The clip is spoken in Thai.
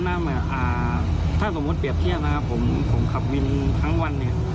เพราะว่าตอนนั้นถ้าสมมติเปรียบเทียบนะครับผมขับวินทั้งวัน